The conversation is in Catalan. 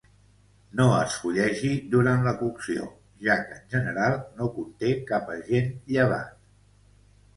No es fullegi durant la cocció, ja que en general no conté cap agent llevat.